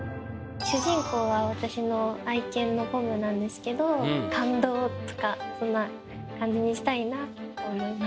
主人公は私の愛犬のポムなんですけど感動とかそんな感じにしたいなと思います。